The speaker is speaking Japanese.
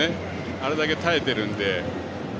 あれだけ耐えているので。